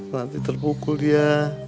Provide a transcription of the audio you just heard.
nanti terpukul dia